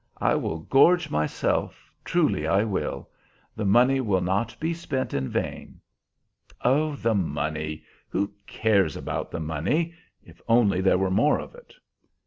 I will gorge myself, truly I will. The money shall not be spent in vain." "Oh, the money! Who cares about the money? if only there were more of it."